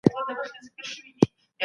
ټولې بدبختۍ له مرګ سره پای ته رسیږي.